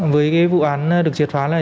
với cái vụ án được triệt phá này